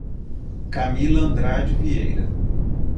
Camila Andrade Vieira